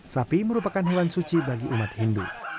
sapi merupakan hewan suci bagi umat hindu